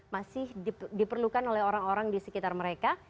masih diperlukan oleh orang orang di sekitar mereka